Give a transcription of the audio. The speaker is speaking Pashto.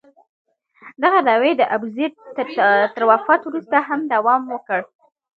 دغه دعوې د ابوزید تر وفات وروسته هم دوام وکړ.